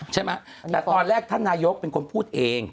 ใช่ไหมแต่ตอนแรกท่านนายกเป็นคนพูดเอง